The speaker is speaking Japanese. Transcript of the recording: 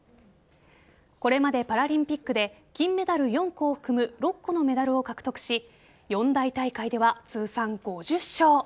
これまでパラリンピックで金メダル４個を含む６個のメダルを獲得し四大大会では通算５０勝。